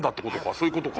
そういうことか。